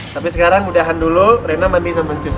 tapi sekarang mudahan dulu rena mandi sama cus ya